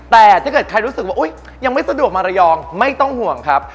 แต่ถ้าเกิดใครรู้สึกว่ายังไม่สะดวกมาระยองไม่ต้องห่วงครับ